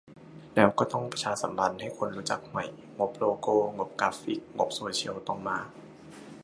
แล้วก็ต้องประชาสัมพันธ์ให้คนรู้จักใหม่ งบโลโก้ งบกราฟิก งบโซเชียลต้องมา